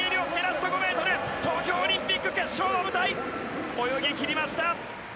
東京オリンピック決勝の舞台泳ぎ切りました。